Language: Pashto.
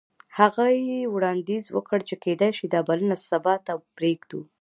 هغې وړاندیز وکړ چې کیدای شي دا بلنه سبا ته پریږدو